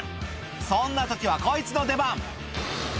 そんなときはこいつの出番。